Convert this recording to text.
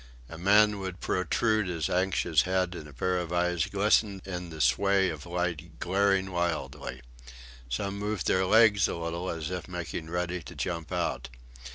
A man would protrude his anxious head and a pair of eyes glistened in the sway of light glaring wildly. Some moved their legs a little as if making ready to jump out.